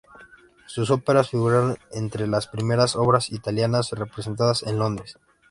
Sus óperas figuraron entre las primeras obras italianas representadas en Londres.